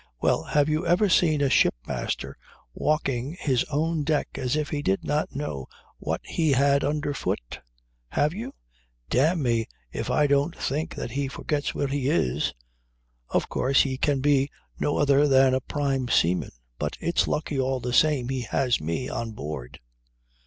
Well, have you ever seen a shipmaster walking his own deck as if he did not know what he had underfoot? Have you? Dam'me if I don't think that he forgets where he is. Of course he can be no other than a prime seaman; but it's lucky, all the same, he has me on board.